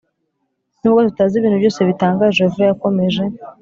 Nubwo tutazi ibintu byose bitangaje Yehova yakomeje